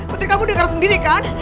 berarti kamu dengar sendiri kan